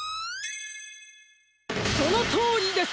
そのとおりです！